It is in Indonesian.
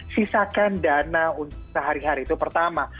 sisakan dana sehari hari itu pertama